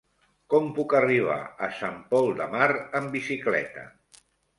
Com puc arribar a Sant Pol de Mar amb bicicleta?